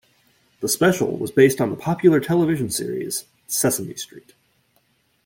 The special was based on the popular television series "Sesame Street".